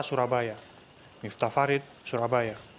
ketika kebun binatang ini bisa bertahan di tengah tengah kota